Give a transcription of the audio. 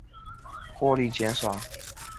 捕房巡区为租界以西的越界筑路区。